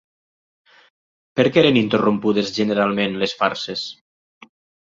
Per què eren interrompudes generalment les farses?